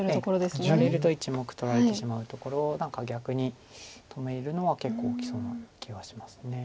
切られると１目取られてしまうところを何か逆に止めるのは結構大きそうな気はします。